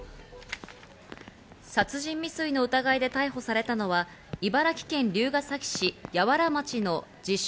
殺人未遂の疑いで逮捕されたのは茨城県龍ケ崎市野原町の自称